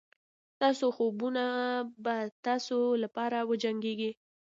ستاسو خوبونه به ستاسو لپاره وجنګېږي.